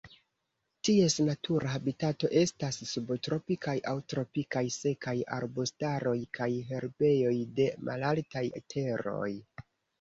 Ties natura habitato estas subtropikaj aŭ tropikaj sekaj arbustaroj kaj herbejoj de malaltaj teroj.